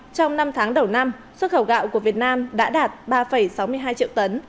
trong năm tháng đầu năm xuất khẩu gạo của việt nam đã đạt ba sáu mươi hai triệu tấn